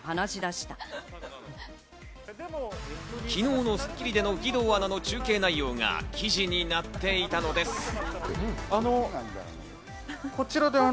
昨日の『スッキリ』での義堂アナの中継内容が記事になっていたのです。